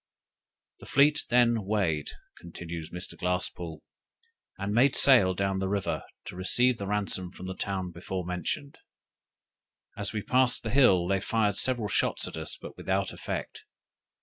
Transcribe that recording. "The fleet then weighed," continues Mr. Glasspoole, "and made sail down the river, to receive the ransom from the town before mentioned. As we passed the hill, they fired several shot at us, but without effect.